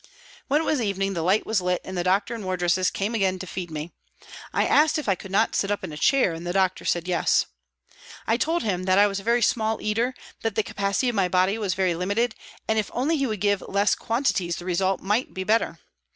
When it was evening the light was lit and the doctor and wardresses came again to feed me. I asked if I could not sit up in a chair and the doctor said " Yes." I told him that I was a small eater, that the capacity of my body was very limited and if only he would give less quantities the result might be better.